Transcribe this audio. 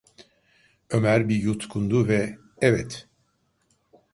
Ömer bir yutkundu ve: "Evet…"